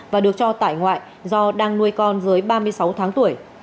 và được cho tại ngoại do đang nuôi con dưới ba mươi sáu tháng tuổi